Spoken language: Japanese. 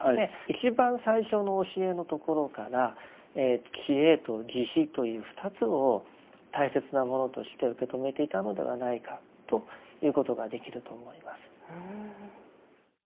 一番最初の教えのところから智慧と慈悲という２つを大切なものとして受け止めていたのではないかということができると思います。